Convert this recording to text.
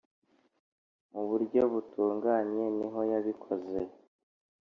Mu buryo butunganye nihoyabikoze.